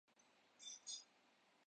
ہم تو صرف باتوں کیلئے رہ گئے ہیں۔